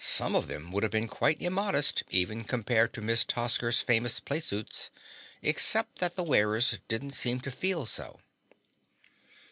Some of them would have been quite immodest, even compared to Miss Tosker's famous playsuits, except that the wearers didn't seem to feel so.